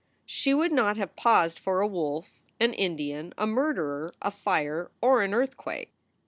She would not have paused for a wolf, an Indian, a murderer, a fire, or an earthquake.